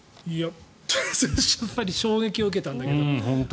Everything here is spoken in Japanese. やっぱり衝撃を受けたんだけど。